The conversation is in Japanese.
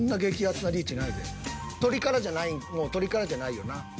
鶏唐じゃないもう鶏唐じゃないよな。